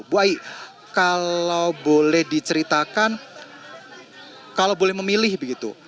ibu aik kalau boleh diceritakan kalau boleh memilih begitu